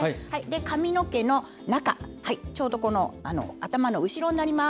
髪の毛の中ちょうど頭の後ろになります。